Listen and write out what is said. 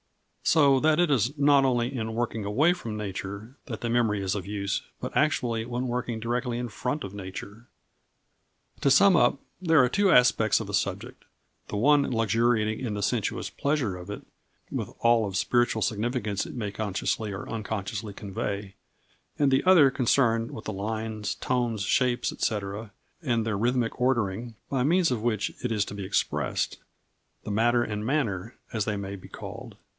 So that it is not only in working away from nature that the memory is of use, but actually when working directly in front of nature. To sum up, there are two aspects of a subject, the one luxuriating in the sensuous pleasure of it, with all of spiritual significance it may consciously or unconsciously convey, and the other concerned with the lines, tones, shapes, &c., and their rhythmic ordering, by means of which it is to be expressed the matter and manner, as they may be called.